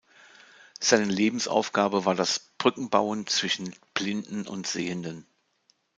Seine Lebensaufgabe war das "„Brücken bauen zwischen Blinden und Sehenden“".